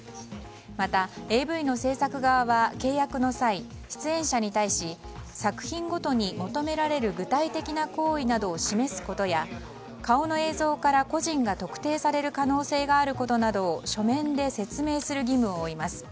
また、ＡＶの制作側は契約の際出演者に対し作品ごとに求められる具体的な行為などを示すことや顔の映像から個人が特定される可能性があることなどを書面で説明する義務を負います。